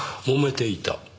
もめていた？